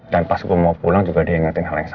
dan pas gue mau pulang juga diingetin hal yang sama